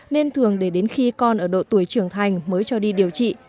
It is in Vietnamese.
nên thường để đến khi con ở độ tuổi trưởng thành mới cho đi điều trị